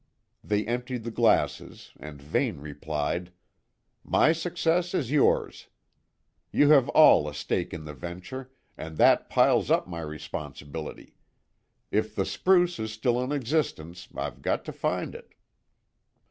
They emptied the glasses, and Vane replied: "My success is yours. You have all a stake in the venture, and that piles up my responsibility. If the spruce is still in existence, I've got to find it."